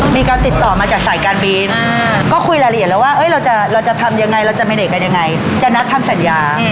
มีการติดต่อมาจากสายการบินก็คุยรายละเอียดแล้วว่าเราจะทำยังไงเราจะไม่ได้กันยังไงจะนัดทำสัญญา